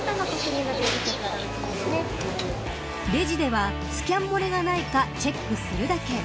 レジではスキャン漏れがないかチェックするだけ。